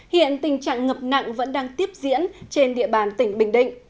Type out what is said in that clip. hiện tình trạng ngập nặng vẫn đang tiếp diễn trên địa bàn tỉnh bình định